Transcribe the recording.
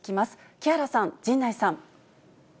木原さん、陣内さん。